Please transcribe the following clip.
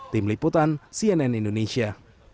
tim liputan cnn indonesia